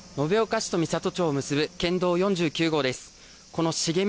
延岡市とミサト町を結ぶ県道４９号です。